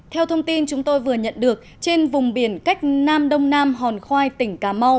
theo thông tin chúng tôi vừa nhận được trên vùng biển cách nam đông nam hòn khoai tỉnh cà mau